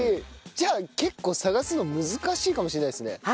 じゃあ結構探すの難しいかもしれないですね。